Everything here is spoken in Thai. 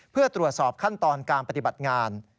เพื่อตรวจสอบขั้นตอนการปฏิบัติงาน